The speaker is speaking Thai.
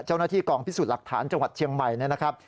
เจ้าหน้าที่กองพิสูจน์หลักฐานจังหวัดเชียงใหม่นะครับ